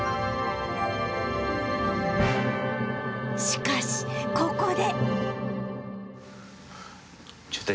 しかしここで